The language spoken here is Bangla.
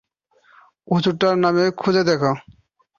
ওষুধটার নাম খুঁজে দেখ।